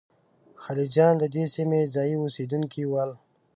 خلجیان د دې سیمې ځايي اوسېدونکي ول.